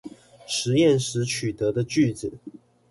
實驗時取得的句子